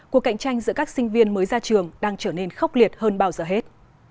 cuộc cạnh tranh giữa các sinh viên mới ra trường đang trở nên khốc liệt hơn bao giờ hết